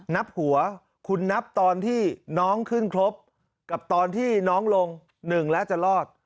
นับหัวคุณนับตอนที่น้องขึ้นครบกับตอนที่น้องลง๑แล้วจะรอด